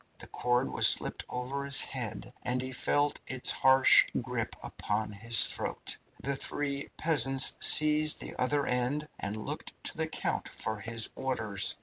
The cord was slipped over his head, and he felt its harsh grip round his throat. The three peasants seized the other end, and looked to the count for his orders.